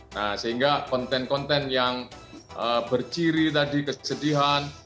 nah sehingga konten konten yang berciri tadi kesedihan